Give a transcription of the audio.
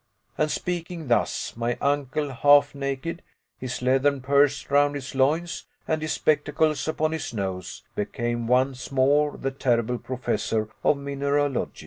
And speaking thus, my uncle, half naked, his leathern purse round his loins, and his spectacles upon his nose, became once more the terrible Professor of Mineralogy.